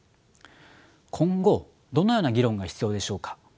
今後どのような議論が必要でしょうか。